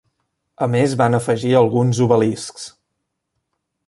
A més van afegir alguns obeliscs.